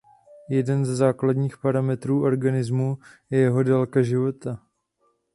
Jeden ze základních parametrů organismu je jeho délka života.